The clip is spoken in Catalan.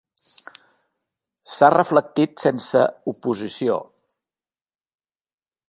S'ha reflectit sense oposició.